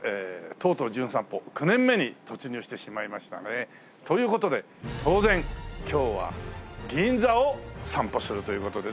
とうとう『じゅん散歩』９年目に突入してしまいましたね。という事で当然今日は銀座を散歩するという事でね。